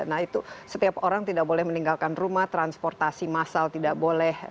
nah itu setiap orang tidak boleh meninggalkan rumah transportasi massal tidak boleh